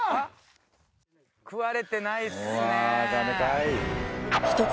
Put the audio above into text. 食われてないっすね